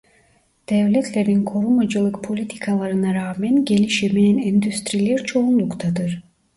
Devletlerin korumacılık politikalarına rağmen gelişemeyen endüstriler çoğunluktadır.